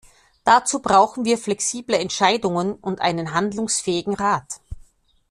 Dazu brauchen wir flexible Entscheidungen und einen handlungsfähigen Rat.